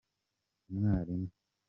umwarimu.